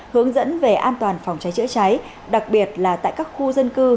hướng dẫn về an toàn phòng cháy chữa cháy đặc biệt là tại các khu dân cư